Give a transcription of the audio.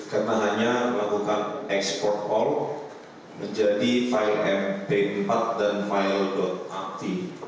karena hanya melakukan export all menjadi file mp empat dan file apt